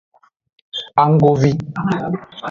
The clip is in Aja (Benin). Annggovi.